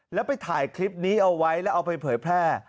แล้วไปถ่ายคลิปนี้เอาไว้แล้วเอาไปเผยแพร่